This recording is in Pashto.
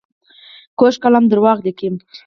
کوږ قلم دروغ لیکي